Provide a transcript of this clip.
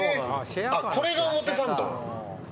あこれが表参道。